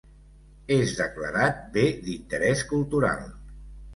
És declarat Bé d'Interés Cultural.